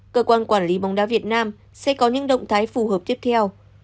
cơ quan quản lý bóng đá việt nam sẽ có những động thái phù hợp tiếp theo